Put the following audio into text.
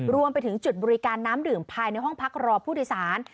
รวมไปถึงจุดบริการน้ำดื่มภายในห้องพักรอผู้โดยสาร